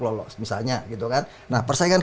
lolos misalnya gitu kan nah persaingan